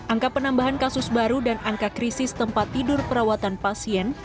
angka penambahan kasus baru dan angka krisis tempat tidur perawatan pasien